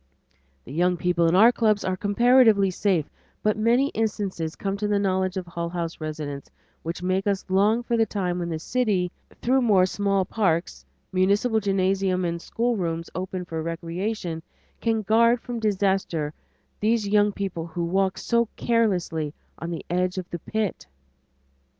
The young people in our clubs are comparatively safe, but many instances come to the knowledge of Hull House residents which make us long for the time when the city, through more small parks, municipal gymnasiums, and schoolrooms open for recreation, can guard from disaster these young people who walk so carelessly on the edge of the pit.